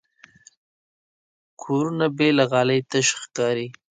کورونه بې له غالۍ تش ښکاري.